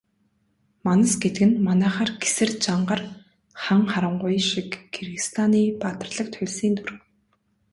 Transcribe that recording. Манас гэдэг нь манайхаар Гэсэр, Жангар, Хан Харангуй шиг Киргизстаны баатарлаг туульсын дүр.